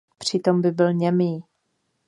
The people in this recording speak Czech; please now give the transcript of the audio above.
Přitom by byl němý.